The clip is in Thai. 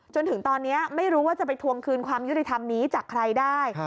จนถึงตอนนี้ไม่รู้ว่าจะไปทวงคืนความยุติธรรมนี้จากใครได้